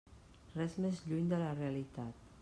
Res més lluny de la realitat.